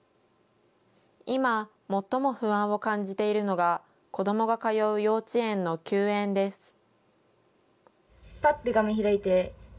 今、最も不安を感じているのが、子どもが通う幼稚園の休園です。